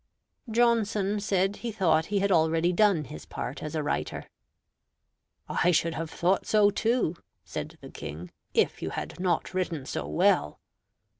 Johnson said he thought he had already done his part as a writer. "I should have thought so too" (said the King), "if you had not written so well."